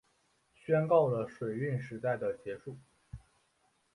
宣告了水运时代的结束